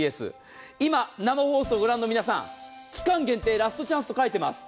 今生放送をご覧の皆さん、期間限定ラストチャンスと書いてあります。